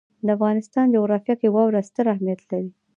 د افغانستان جغرافیه کې واوره ستر اهمیت لري.